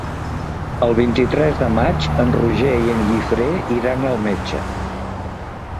El vint-i-tres de maig en Roger i en Guifré iran al metge.